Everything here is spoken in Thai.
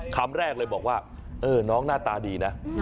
คำแรกเลยบอกว่าน้องหน้าตาดีนะ